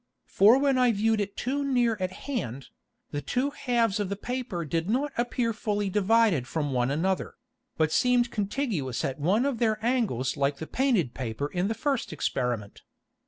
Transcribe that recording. For when I viewed it too near at hand, the two halfs of the Paper did not appear fully divided from one another, but seemed contiguous at one of their Angles like the painted Paper in the first Experiment.